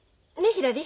ひらり。